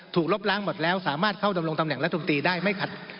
ถูกรบล้างหมดแล้วสามารถเข้าดำรงค์ตำเนี่ยงรัฐธรรมตีมาได้ไม่ขัด